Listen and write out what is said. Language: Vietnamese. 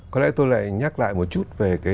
có lẽ tôi lại nhắc lại một chút về cái